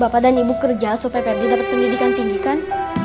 bapak dan ibu kerja supaya prd dapat pendidikan tinggi kan